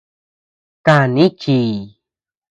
Kani chiy.